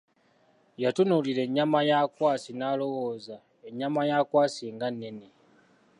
Yatunuulira ennyama ya Akwasi n'alowooza, ennyama ya Akwasi nga nenne!